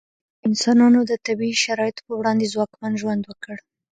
انسانانو د طبیعي شرایطو په وړاندې ځواکمن ژوند وکړ.